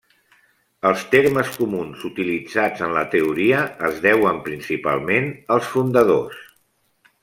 Els termes comuns utilitzats en la teoria es deuen principalment als fundadors.